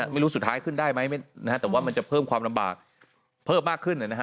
ไม่รู้สุดท้ายขึ้นได้ไหมแต่ว่ามันจะเพิ่มความลำบากเพิ่มมากขึ้น